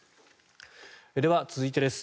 では、続いてです。